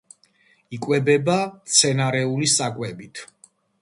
იკვებება მცენარეული საკვებით.